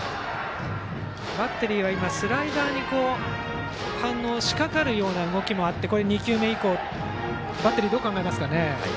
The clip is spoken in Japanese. バッテリーはスライダーに反応しかかるような動きもあって２球目以降、バッテリーはどう考えますかね。